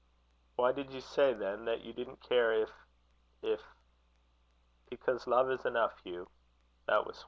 "Why did you say, then, that you didn't care if if ?" "Because love is enough, Hugh. That was why." THE END.